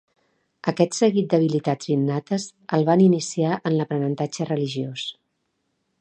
Aquest seguit d'habilitats innates el van iniciar en l'aprenentatge religiós.